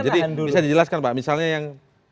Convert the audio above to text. jadi bisa dijelaskan pak misalnya yang